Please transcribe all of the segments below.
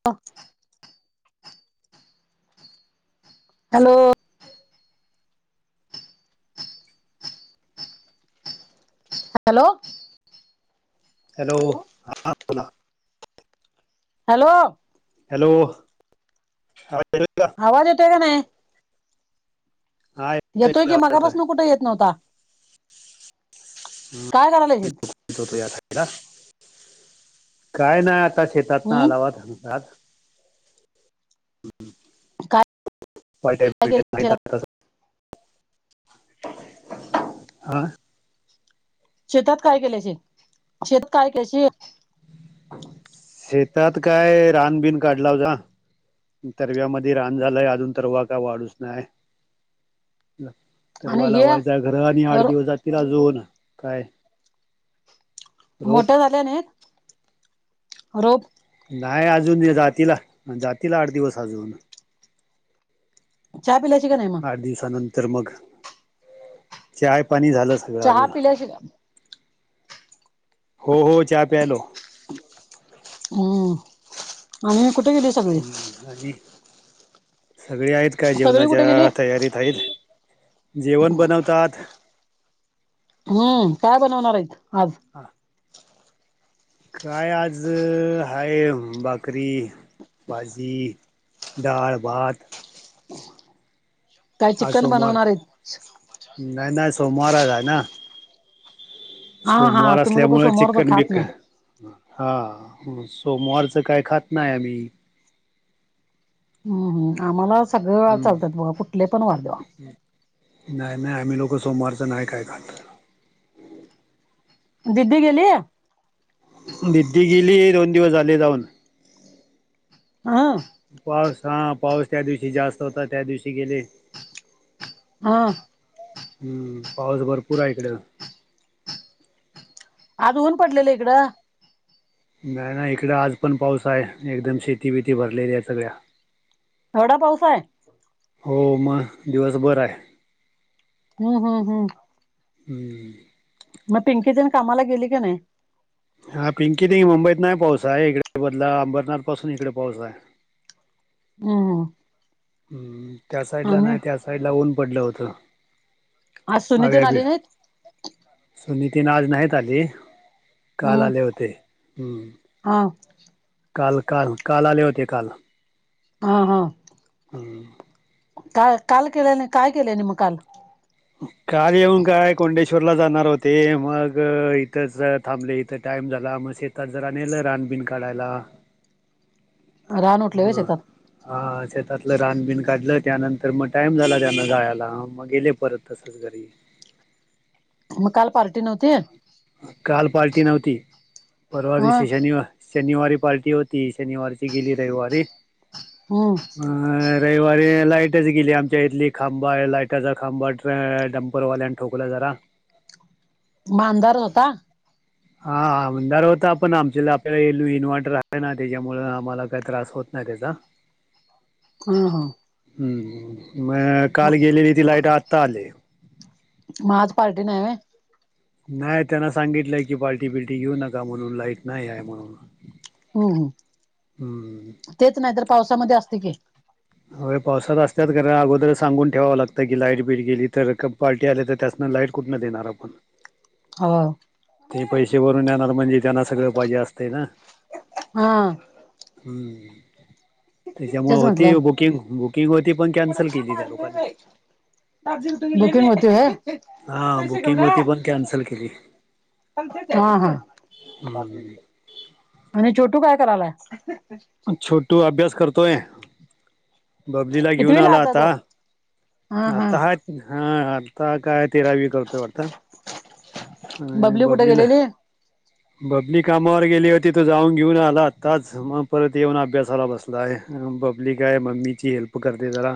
[unintelligible] Hello! Hello! Hello हा hello! Hello आवाज येतोय का? आवाज येतोय का नाही? हा येतोय की मगापासन कुठे येत नव्हता? काय करायला हे? काय नाय आ आता शेतातन हम्म अलावात काय केले शेतात [unintelligible] आ? शेतात काय केल्याचे शेतात काय केल्याशी? शेतात काय रानबीन काढला हो ना. तरव्यामध्ये रान झालंय अजून तर वाका वाढूच नाय. आणि तरवाला हे वायचा घरा आणि आठ दिवस जातील अजून काय. रोप मोठ्या झाल्या नाहीत रोप. नाही अजून ये जातीला जातीला आठ दिवस अजून. चहा पिल्याची का नाही मग. आठ दिवसानंतर मग चाय पाणी झालं स चहा पिल्या शिगा हो हो चहा प्यायलो. हम्म आणि कुठे गेली सगळी. हम्म, आणि सगळे आहेत का सगळी कुठे गेली जेवणाच्या तयारीत आहेत. जेवण बनवतात. हम्म काय बनवणार आहेत आज. हा. काय आज हाये भाकरी भाजी. दाळ भात. काय आज चिकन सोमवार बनवणार आहेत नाही नाही सोमवार आज आहे ना. हा हा सोमवार तुम्ही लोक असल्यामुळे सोमवारच चिक्कन खात नाही बिकन. हा सोमवारचं काय खात नाही आम्ही. हम्म आम्हाला सगळ वार हम्म चालतात बघा कुठले पण वार देवा. नाही नाही आम्ही लोक सोमवारच नाही काई खात. दिदी गेली ये. दीदी गेली दोन दिवस झाले जाऊन. हा. पाऊस हा पाऊस त्या दिवशी जास्त होता त्या दिवशी गेले. हा. हम्म पाऊस भरपूर आहे इकडं. आज ऊन पडलेलं इकडं. नाही नाही इकड आज पण पाऊस आहे एकदम शेती बिती भरलेली आहे सगळ्या. एवढा पाऊस आहे. हो मग दिवस भर आहे. हम्म हम्म हम्म. हम्म. म पिंकीतिन कामाला गेली का नाही. हा पिंकी दी मुंबईत नाही पाऊस आहे इकडे बदला अंबरनाथ पासून इकडे पाऊस आहे. हम्म हम्म. हम्म त्या साईडला नाही त्या साईडला ऊन पडलं होत. आज सुनी तेन भाव्या भी आली नाहीत सुनीतीन आज नाहीत आली. काल हम्म आले होते हम्म हा काल काल काल आले होते काल. हा हा. हम्म. का काल केलं नाही काय केल्यानी मग काल. काल येऊन काय कोंडेश्वरला जाणार होते मग इथ जर थांबले इथं टाईम झाला मग शेतात जरा नेलं रानबीन काढायला. राह उठलं म व्हय शेतात. हा शेतातलं रानबिन काढलं त्यानंतर मग टाइम झाला त्याना जायला म मग गेले परत तसंच घरी. मग काल पार्टी नव्हती. काल पार्टी नव्हती परवा हा दिवशी शनिवार शनिवारी पार्टी होती शनिवारीची गेली रविवारी हम्म अ रविवारी लाइटच गेली आच्या इथली खांबा लाइटचा खांबा ं्परवाल्यान. ठोकल्या जरा. मांजार होता. हा आमदार होता पण आमच्या आपल्याला येलू इन्व्हर्टर आहे ना त्याच्यामुळें आम्हाला काय त्रास होत. हच हा हा हम्म म काल गेलेली ती लाईट आत्ता आली. माज पार्टीने आहे. नाही त्यांना सांगितलंय की पाल्टी बिल्टी घेऊ नका म्हणून लाईट नाही आहे म्हणून हम्म हम्म हम् तेच नाही तर पावसामध्ये असते की ह पावसात असतात कारण अगोदर सांगून ठेवावं लागतं की लाईट बीट गेली तर पार्टी आली तर त्या लाईट कुठून देणार आपण हा ते पैसे भरून येणार म्हणजे त्यांना सगळं पाहिजे असते ना हा हम्म त्याच्यामुळे तेच होती म्हंटलं बुकिंग बुकिंग होती पण कॅन्सल केली त्या लोकांनी कसे हा क? बुकिंग होती पण कॅन्सल केली हा हा हम्म आणि ोटू काय करायला छोटू अभ्यास करतोय. बबलीला घेऊन कितवीला आला आता तो हा हा आता ह. हा अर्ता काय तेरावी करतोय अडता आणि बबली कुठे बबलीला. गेलेली बबनी कामावर गेली होती तो जाऊन घेऊन आला आताच मग परत येऊन अभ्यासाला बसला. पब्लिक आहे मम्मीची हेल्प करते जरा.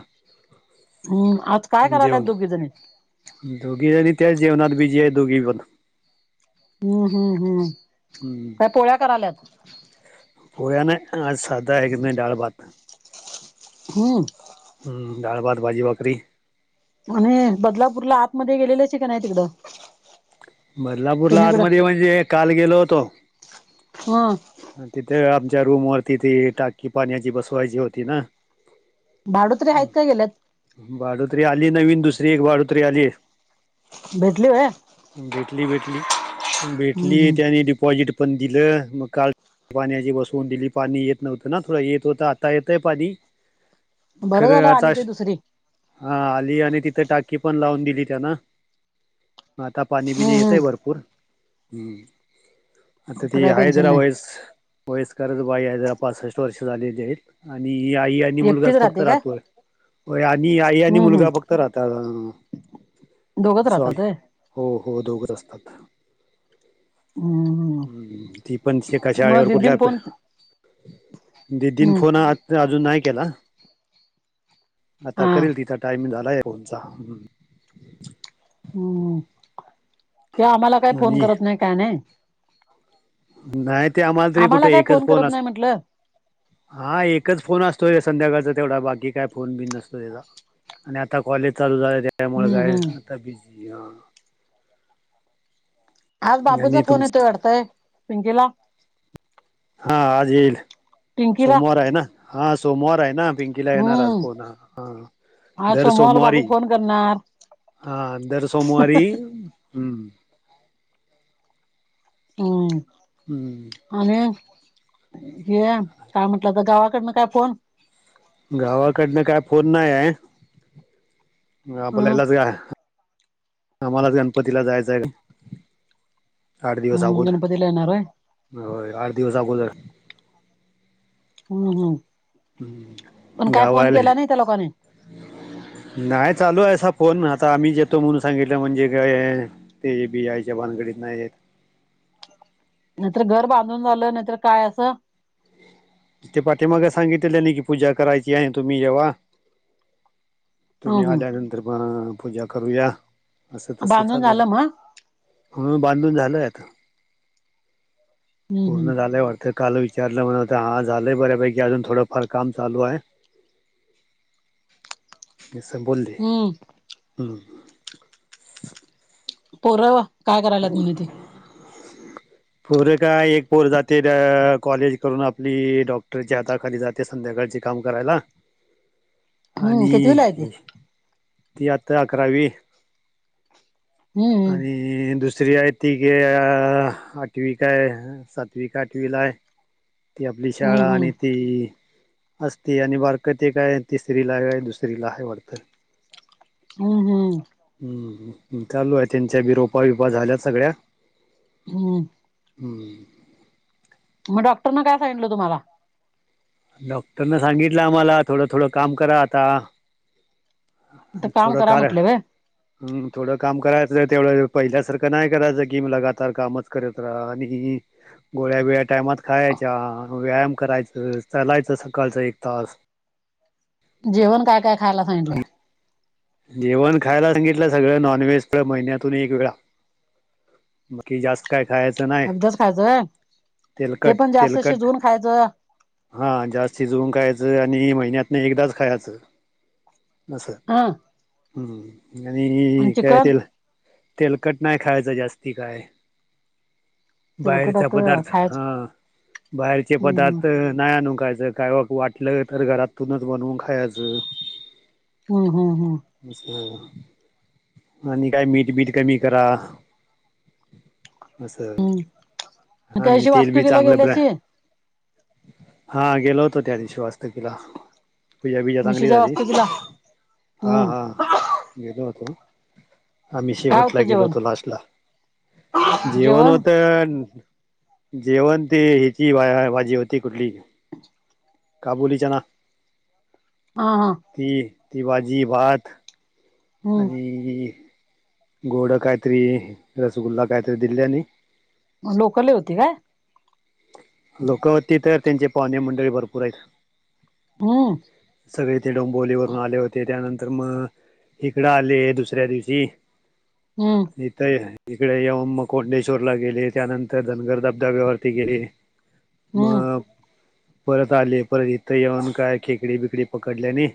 हम्म आज काय करायलाय जेवण दोघे जणी. दोघी आणि त्याच जेवणात बी जी आहे दोघी पण हम्म हम्म हम् हम् त्या पोळ्या कराल्यात. होया ना आज सादा एक दि रड बात. हम्म हम्म डाळ, भात, भाजी, सागरी आणि बदलापूरला आतमध्ये गेलेलेच काी नाही तिकडं बदलापूरला सुनीकडं आतमध्येध्ये म्हणजे काल गेलो होतो. हम तिथे आमच्या रूमवररती ती टाकी पाण्याची बसवायची होती ना भाडोत्रीे आहेत का गेल्यात. बाडोत्री आली नवीन दुसरी एक बाडोत्री आली. भेटली आहे. भेटली भेटली हम्म भेटली हम्म त्यानी डिपॉजिट पण दिलं मग काल पाण्याची बसवून दिली पाणी येत नव्हतं ना थोडं येत होतं आता येतय पाणी बरं खरं झालं आली आता ते दुसरी हा आली आणि तिथं टाकी पण लावून दिली त्याना आता पाणी बिणी हम्म येत आहे हम्म भरपूर ह आता ती काय हाय टेन्शन जरा नाही वईस वस् कर बाई आहे जरा पासष्ट वर्ष झालेली आणि आ आणि एकटीच मुलगाच फक्त राहते काय राहतोय आणि आई आणि हम्म हम्म मुलगा फक्त राहतात. दोघच सॉरी राहतात. हो हो दोघ र असतात. हम्. हम्म ती पण कशा वेळेवर कुठल्या फोन ददीन हम्म फोन आ. अजून नाही केला आता हा करेल तिथ टाइमिंग झाला. पचा. हम्म किं आम्हाला काही फोन आणि करत नाही काय नाही. नाही ते आम्हाला तरी कुठे काय एकच फोन करत अस. नाही म्हटलं हा एकच फोन असतो र संध्याकाळचा तेवढा बाकी काय फोन बिन नसतो त्याचा. आणि आता कॉलेज चालू झालं त्यामुळे हम्म काय हम्म आता बिझी ह. आज बाबूचा आणि तुम फोन येतोय वाटताय पिंकीला. हा आज येईल पिंकीला सोमवार आहे ना हा सोमवार आहे ना. पिंकीला येणार आज हम्म फोन आज दर सोमवार सोमवारी. बाबू फोन करणार हा दर सोमवारी हम्म. हम्. हम्म. आणि हे काय म्हंटलं तर गावाकडनं काय फोन. गावाकडनं काय फोन नाही आहे. हम्म आपल्यालाच आम्हालाच गणपतीला जायचं आहे. आठ दिवस हम्म अगोदर गणपतीला येणार होय हो आठ दिवस अगोदर. हम्म हम् पण काय फोन गावाले केला नाही त्या लोकांने. नाही चालू आहे फोनण आता आम्ही जेतो म्हणून सांगितलं म्हणजे काय? ते बिजयच्या भानगडीत नाही येत. नाहीतर घर बांधून झालं नाहीतर काय असं. ते पाठे मग सांगितलेल्या नाही कीूजा करायची आहे तुम्ही जेव्हा? हम्म तुम्ही हम्म आल्यानंतर पण पूजा करूया असं तसं बांधून चालू आहे. झालं मग म्हणून बांधून झालंय आता हम्म हम्म पूर्ण झाल्याय वरत. काल विचारलं म्हण आज. झालंय बऱ्यापैकी अजून थोडंफार काम चालू आहे. ज स बोलली हम्म हम. परव. हो. [unintelligible] पोर काय एक पोर जाते कॉलेज करून आपली डॉक्टरच्या हाताखाली जाते. ते संध्याकाळचे काम करायला. [unintelligible] हम्म आणि कितवीला आहे ते ती आता अकरावी. हम्म हम्म आणि- दुसरी आहे ती गे अ आठवी काय सातवी का आठवीला आहे. ती आपली हम्म शाळा हम्म आणि ती? असती आणि बारकती काय तिसरीला आहे काय दुसरीला आहे वाटतं. हम्म हम्. हम् चालू आहे त्यांच्या बिरोोपा बपा झाल्यात सगळ्या? हम्म. हम्म. म डॉक्टरन काय सांगीतलं तुम्हाला? डॉक्टरनं सांगितलं आम्हाला थोडं थोडं काम करा आता. इथं काम थोडं करा कर. म्हटले व्हय हम् थोडं काम करायचं तेवढं पहिल्यासारखं नाही करायचं की लगातार कामच करत राहा आणि- गोळ्या बिळ्या टायमात खायच्या व्यायाम करायच चलायचं सकाळचं एक तास- जेवण काय काय खायला सांगलं. आणि जेवण खायला सांगितलं सगळं नॉनव्हेज महिन्यातून एक वेळा बाकी जास्त काय खायचं नाय. [unintelligible] खायच व्हय. ते तेलकट पण जास्त तेलकट शिजवून खायचं हा जास्ती शिजऊन खायचं आणि महिन्यातन एकदाच खायचं अस. हां. हम् आणि काय चिकन तेल तेलकट नाही खायचं जास्ती काय बाहेरचा तेलकटात पदार्थ हा खायचं बाहेरचे हम्म पदार्थ नाय आणून खायचं काय वाटलं तर घरातूनच बनवून खायाचं. हुं, हुं, हुं. मिसळ आणि काय मीठ बीठ कमी करा आसं हम्म मग आणि त्यादिवशी तेल बी वास्तुकीला चांगलं ब्रॅ गेल्याशी हा गेलो होतो त्या दिवशी वास्तूकीला पूजा बीजा चांगली निशीच्या झाली. वास्तुकीला हां हम्म हां गेेलो होतो. आम्ही काय शेवटला होतं गेलो जेवण होतो लास्टला. जेवण होत जेवण ते हेची भाजी होती कुठली काबूली चना हा हा. ती, ती भाजी, भात आणि हम्म गोड कायतरी रसगुल्ला काहीतरी दिल्यानी मग लोक लई होती काय? लोक होती तर त्यांचे पाहणे मंडळी भरपूर आहेत. हा. सगळे ते डोंबोवलीवरून आले होते त्यानंतर म इकडं आले दुसऱ्या दिवशी हम्. इथं इकडे येऊन म कोंडेश्वरला गेले त्यानंतर धनगर धबधब्यावरती गेले. [inaudible] मग परत आले परत इथं येऊन काय खेकडी बिकडी पकडल्यानी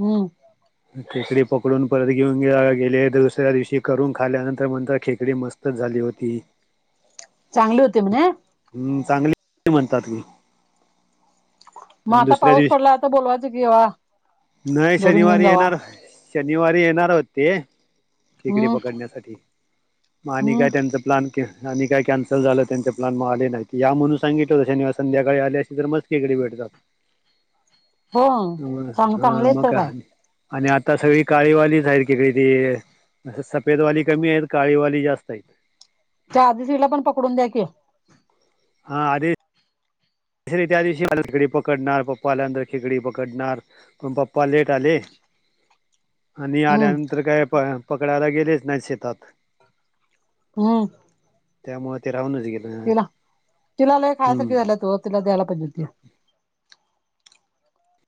हुं. खिकडी पकडून परत घेऊन गावाला गेलेत दुसऱ्या दिवशी करून खाल्यानंतर म्हणता खेकडी मस्तच झाली होती. चांगली होती म्हणे? हम् चांगली म्हणतात की [inaudible] म आणि आता दुसऱ्या पाऊस पडला दिवशी आता बोलवायचं की यवा नाही धरून घेऊन शनिवारी जावा. येणार शनिवारी येणार होते खेकडी हम्म पकडण्यासाठी म आणि हम्म काय त्यांचं प्लॅन आणि काय कॅन्सल झालं त्यांचा प्लॅन म आले नाही की या म्हणून सांगितलं शनिवारी संध्याकाळी आले आसते तर म खेकडी भेटतात हो चांग चांगले हां मग होतं काय? आणि आता सगळी काळीवालीच आहेत खेकडी ती आह सफेदवाली कमी आहेत काळीवाली जास्त आहेत. त्या अभिजीतला पण पकडून द्या की हा अरे [inaudible] म पप्पा लेट आले आणि हम्म आल्यानंतर काय प पकडायला गेलेच नाही शेतात. हम् त्यामुळ ते राहूनच गेल. तिला तिला लई खायासारखी झाल्यात ओ तिला द्यायला पाहिजे होती.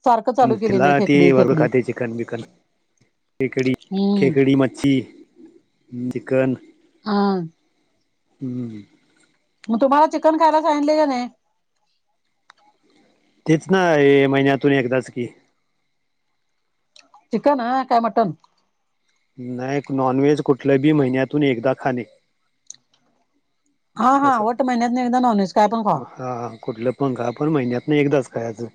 सारखं चालू केली तिला नाही ती खेकडी वरण खेकडी खातीया ती चिकन, बिकन खेकडी, हम्म खेकडी, मच्छी, चिकन हां हम्म. मग तुम्हाला चिकन खायला सांगले का नाही? तीच ना ए महिन्यातून एकदाच की. चिकन हा का मटन? नाही नॉनव्हेज कुठल्या बी महिन्यातून एकदा खाणे. हा हा वट महिन्यात न एकदा नॉनव्हेज काय पण खावा. हा हा कुठलं पण खा पण महिन्यात न एकदाच खायचं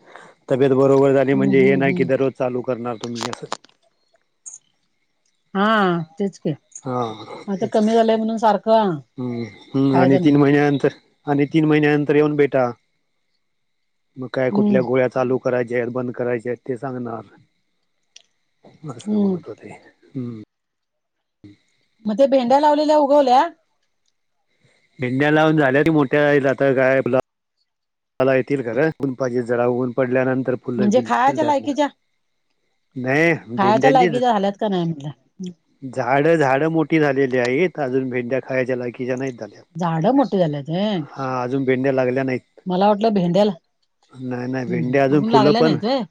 तब्येत बरोबर झाली हम्म म्हणजे हे हम्म नाही की हम्म दररोज चालू करणार तुम्ही असं. हा तेच की. हा आता तेच कमी झालंय म्हणून सारखं हम् हम्म आणि खायचं नाही तीन महिन्यानंतर आणि तीन महिन्या नंतर येऊन भेटा. मग काय हम्म कुठल्या गोळ्या चालू करायचे आहेत बंद करायचे आहेत ते सांगणार अस हम्म म्हणत होते. हम्म. हम्म मधे भेंड्या लावलेल्या उगवल्या? भेंड्या लावून झाल्याती मोठ्या आता काय मला येतील खर जरा ऊन पडल्यानंतर फुलं म्हणजे बिलकूल खायच्या लायकीच्या नाही खायच्या भेंड्यांचीच लायकीचे झाल्यात का नाही म्हटलं झाड झाडं मोठी झालेली आहेत. अजून भेंड्या खायच्या लायकीच्या नाही. झाडं मोठी झाल्यात व्हय. अजून भेंड्या लागल्या नाहीत मला वाटलं भेंड्याला नाही नाही भेंड्या हम्म अजून फुलं लागल्या पण नाहीत व्हय?